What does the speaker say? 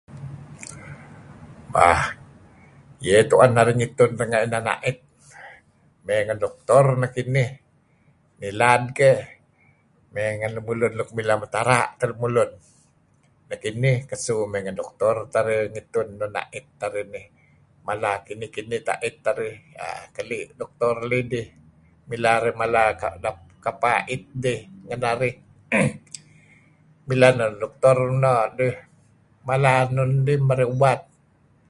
um iyeh tu'un narih ngetun ranga inan a'it me'ngen doktor nekinih ngilad ke me'ngen lemulun nuk mileh metara teh lemulun nekinih ngesu ngen doktor tarih ngetun nun a'it narih inih mala kinih teh a'it arih um keli doktor leh idih mileh arih mala kapeh a'it dih kenarih um mileh neh doktor um mala nun dih mere ubat